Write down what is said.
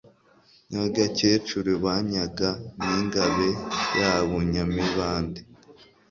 Nyagakecuru “Banyaga n'Ingabe yabo “Nyamibande